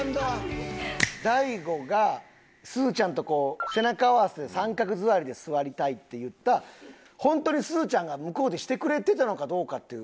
大悟がすずちゃんとこう背中合わせで三角座りで座りたいって言ったホントにすずちゃんが向こうでしてくれてたのかどうかっていう。